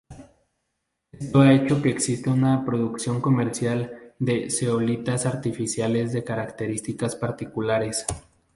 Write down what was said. Esto ha hecho que exista una producción comercial de zeolitas artificiales de características particulares.